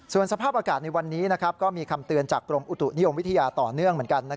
ส่วนสภาพอากาศในวันนี้ก็มีคำเตือนจากกรมอุตุนิยมวิทยาต่อเนื่องเหมือนกัน